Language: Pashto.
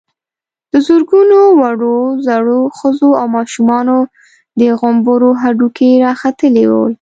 د زرګونو وړو_ زړو، ښځو او ماشومانو د غومبرو هډوکي را ختلي ول.